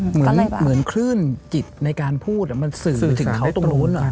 เหมือนคลื่นจิตในการพูดมันสื่อถึงเขาตรงนู้น